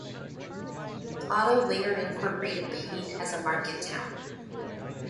Otto later incorporated Peine as a market town.